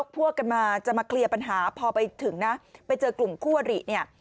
พวกกันมาจะมาเคลียร์ปัญหาพอไปถึงนะไปเจอกลุ่มคู่อริเนี่ย